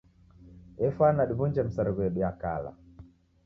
Efwana diw'unje misarigho yedu ya kala.